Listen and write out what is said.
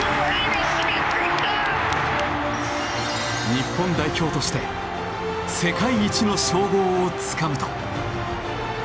日本代表として世界一の称号をつかむと。